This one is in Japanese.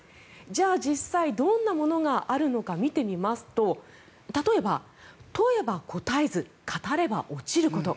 じゃあ、実際どんなものがあるのか見てみますと例えば、「問えば答えず語れば落ちること」